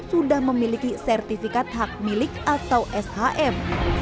sudah memiliki sertifikat hak milik atau shm